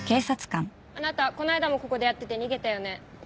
あなたこの間もここでやってて逃げたよね。